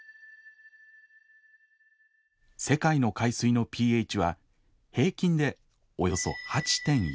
世界の海水のｐＨは平均でおよそ８．１。